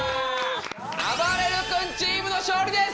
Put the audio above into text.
あばれる君チームの勝利です！